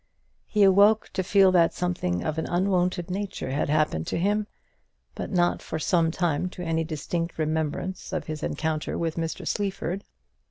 He awoke to feel that something of an unwonted nature had happened to him, but not for some time to any distinct remembrance of his encounter with Mr. Sleaford.